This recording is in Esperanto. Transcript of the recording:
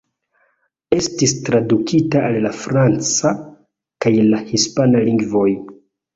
Estis tradukita al la franca kaj la hispana lingvoj.